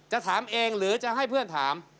หรือจะให้เพื่อนถาม